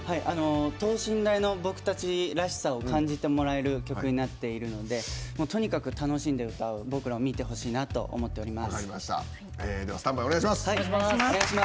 等身大の僕たちらしさを感じてもらえる曲になっているのでとにかく楽しんで歌う僕らを見てほしいなと思っております。